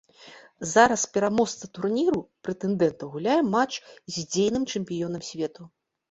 Зараз пераможца турніру прэтэндэнтаў гуляе матч з дзейным чэмпіёнам свету.